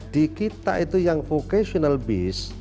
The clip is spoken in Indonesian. di kita itu yang vocational base